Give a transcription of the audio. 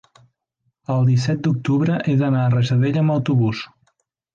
el disset d'octubre he d'anar a Rajadell amb autobús.